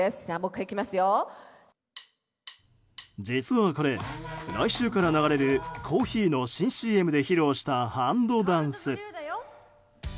実はこれ、来週から流れるコーヒーの新ＣＭで披露したハンドダンス。